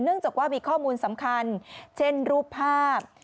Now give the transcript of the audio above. จากว่ามีข้อมูลสำคัญเช่นรูปภาพ